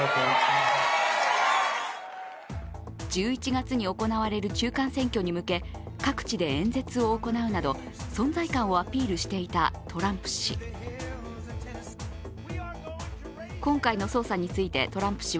１１月に行われる中間選挙に向け各地で演説を行うなど存在感をアピールしていたトランプ氏。